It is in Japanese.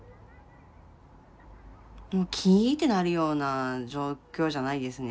もうキーッてなるような状況じゃないですね。